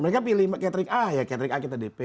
mereka pilih catering a ya catering a kita dp